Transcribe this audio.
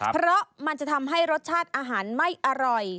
เพราะมันจะทำให้รสชาติอาหารไม่อร่อย